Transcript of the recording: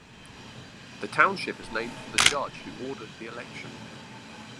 The township is named for the judge who ordered the election.